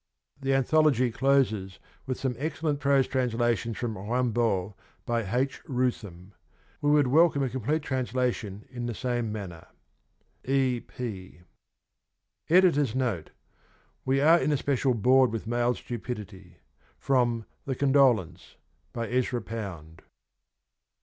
* The anthology closes with some excellent prose transla tions from Rimbaud by H. Rootham. We would welcome a complete translation in the same manner. E. P. Editor's Note: —*' We are in especial bored with male stupidity.' From ' The Condolence ' by Ezra Pound.